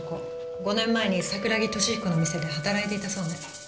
５年前に桜木敏彦の店で働いていたそうね。